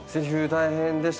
大変でした。